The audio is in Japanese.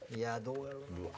うわ。